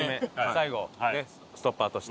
最後ストッパーとして。